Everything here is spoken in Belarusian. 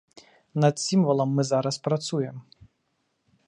Над сімвалам мы зараз працуем.